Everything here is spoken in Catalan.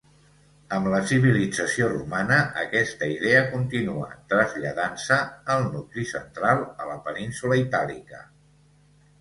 Amb la civilització romana, aquesta idea continua, traslladant-se el nucli central a la península Itàlica.